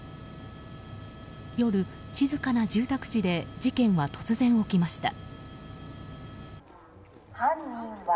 夜、静かな住宅地で事件は突然、起きました。